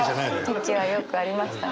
時はよくありましたね。